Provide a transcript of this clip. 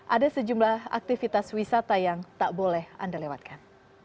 ada sejumlah aktivitas wisata yang tak boleh anda lewatkan